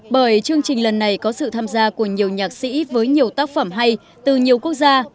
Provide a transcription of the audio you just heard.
bởi chương trình lần này có sự tham gia của nhiều nhạc sĩ với nhiều tác phẩm hay từ nhiều quốc gia